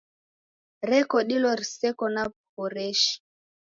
Reko dilo riseko na w'uhoreshi.